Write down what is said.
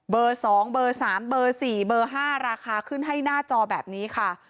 ๒เบอร์๓เบอร์๔เบอร์๕ราคาขึ้นให้หน้าจอแบบนี้ค่ะ